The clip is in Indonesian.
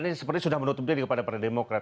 ini sudah menutup diri kepada para demokrat